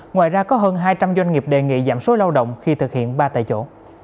ngoài ra có hơn hai trăm linh doanh nghiệp đề nghị giảm số lao động khi thực hiện ba tại chỗ